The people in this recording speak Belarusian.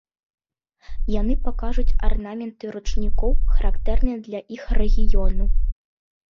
Яны пакажуць арнаменты ручнікоў, характэрныя для іх рэгіёну.